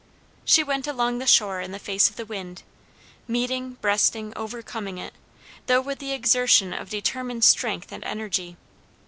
She went along the shore in the face of the wind, meeting, breasting, overcoming it, though with the exertion of determined strength and energy.